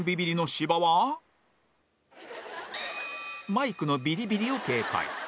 マイクのビリビリを警戒